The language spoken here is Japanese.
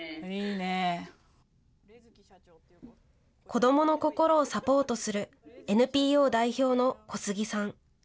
子どもの心をサポートするＮＰＯ代表の小杉さん。